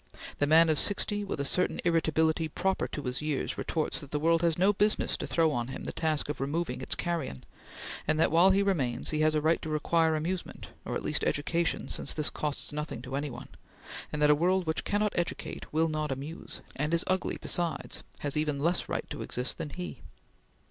The man of sixty, with a certain irritability proper to his years, retorts that the world has no business to throw on him the task of removing its carrion, and that while he remains he has a right to require amusement or at least education, since this costs nothing to any one and that a world which cannot educate, will not amuse, and is ugly besides, has even less right to exist than he.